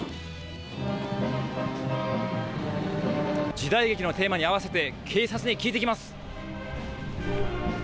時代劇のテーマに合わせて警察に聞いてきます。